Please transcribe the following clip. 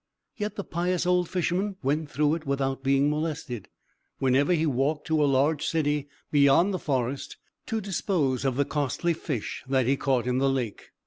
Yet the pious old Fisherman went through it without being molested, whenever he walked to a large city beyond the forest, to dispose of the costly fish that he caught in the lake.